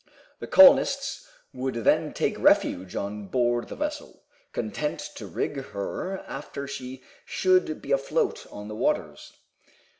The colonists would then take refuge on board the vessel, content to rig her after she should be afloat on the waters.